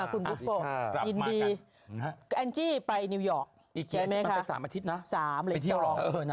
คุณบุ๊บบ่ยินดีแอนจี้ไปนิวยอร์กใช่ไหมคะอีกทีนี่นานไปสามอาทิตย์นะ